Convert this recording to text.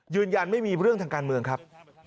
ยืนยันไม่มีเรื่องทางการเมืองครับ